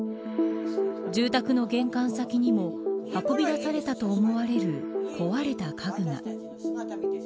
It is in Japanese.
住宅の玄関先にも運び出されたと思われる壊れた家具が。